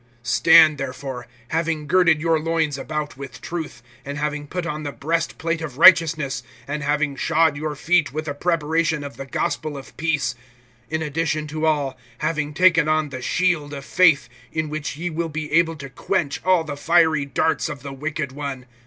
(14)Stand therefore, having girded your loins about with truth, and having put on the breastplate of righteousness; (15)and having shod your feet with the preparation of the gospel of peace; (16)in addition to all, having taken on the shield of faith, in which ye will be able to quench all the fiery darts of the wicked one.